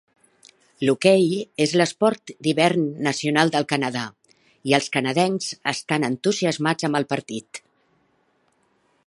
L'hoquei és l'esport d'hivern nacional del Canadà i els canadencs estan entusiasmats amb el partit.